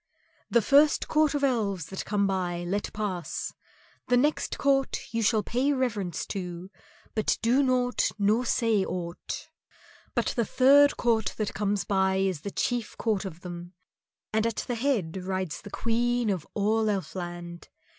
"The first court of Elves that come by let pass. The next court you shall pay reverence to, but do naught nor say aught. But the third court that comes by is the chief court of them, and at the head rides the Queen of all Elfland.